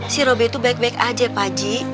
si robby tuh baik baik aja pak aji